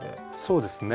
そうですね。